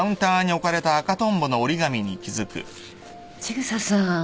千草さん。